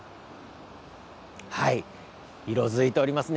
色づいておりますね。